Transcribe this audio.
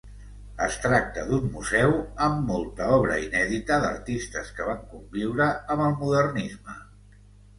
Es tracta d'un museu amb molta obra inèdita d'artistes que van conviure amb el modernisme.